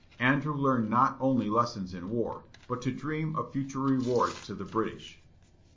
Andrew learned not only lessons in war, but to dream of future rewards to the British.